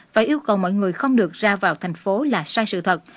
và yêu cầu mọi người không được ra vào thành phố là sai sự thật